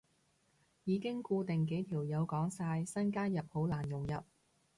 已經固定幾條友講晒，新加入好難融入